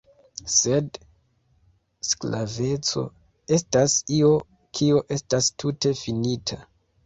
Sed (sklaveco) estas io kio estas tute finita.